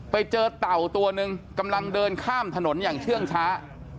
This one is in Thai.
เต่าตัวหนึ่งกำลังเดินข้ามถนนอย่างเชื่องช้า